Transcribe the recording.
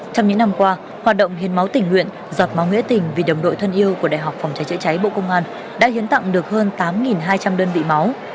trong những năm qua hoạt động hiến máu tình nguyện giọt máu nghĩa tình vì đồng đội thân yêu của đại học phòng cháy chữa cháy bộ công an đã hiến tặng được hơn tám hai trăm linh đơn vị máu